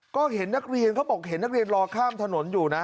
ก็เห็นนักเรียนเขาบอกเห็นนักเรียนรอข้ามถนนอยู่นะ